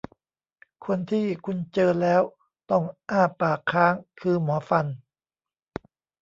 คนที่คุณเจอแล้วต้องอ้าปากค้าง คือหมอฟัน